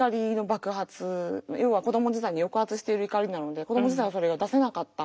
要は子ども時代に抑圧している怒りなので子ども時代はそれが出せなかった。